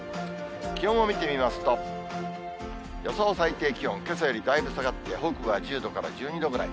気温を見てみますと、予想最低気温、けさよりだいぶ下がって、北部は１０度から１２度ぐらい。